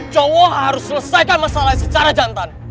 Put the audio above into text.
cowok harus selesaikan masalah secara jantan